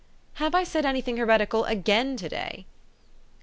" Have I said any thing heretical again. to day?"